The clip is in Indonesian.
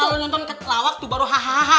kalau nonton lawak tuh baru hahaha